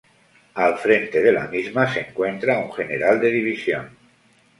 Al frente de la misma se encuentra un general de división.